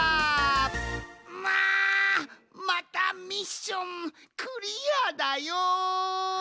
またミッションクリアだよん！